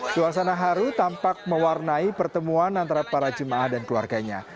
suasana haru tampak mewarnai pertemuan antara para jemaah dan keluarganya